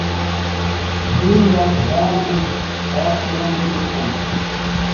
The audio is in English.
Moon was born in Horsmonden, Kent.